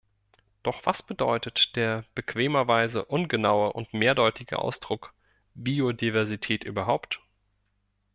Doch was bedeutet der bequemerweise ungenaue und mehrdeutige Ausdruck "Biodiversität" überhaupt?